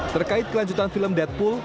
terkait kelanjutan film deadpool